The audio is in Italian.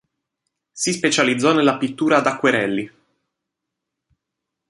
Si specializzò nella pittura ad acquerelli.